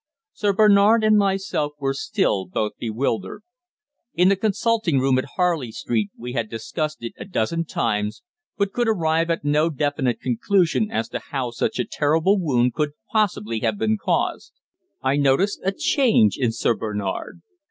Sir Bernard and myself were still both bewildered. In the consulting room at Harley Street we had discussed it a dozen times, but could arrive at no definite conclusion as to how such a terrible wound could possibly have been caused. I noticed a change in Sir Bernard.